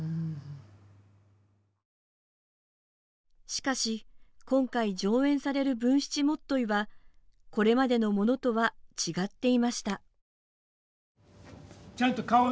しかし、今回上演される「文七元結」はこれまでのものとは違っていました。